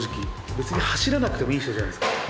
別に走らなくてもいい人じゃないですか。